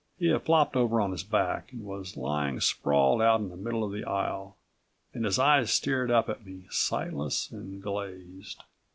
He had flopped over on his back and was lying sprawled out in the middle of the aisle, and his eyes stared up at me, sightless and glazed.